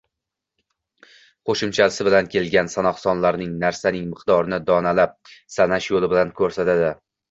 Qoʻshimchasi bilan kelgan sanoq sonlar narsaning miqdorini donalab sanash yoʻli bilan koʻrsatadi